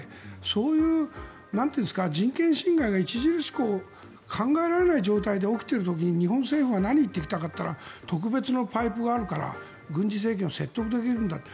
そういう人権侵害が著しく、考えられない状態で起きている時に日本政府が何を言ってきたかと言ったら特別なパイプがあるから交渉ができるんだと。